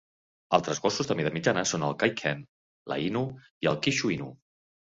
Altres gossos de mida mitjana són el Kai Ken, l'Ainu i el Kishu Inu.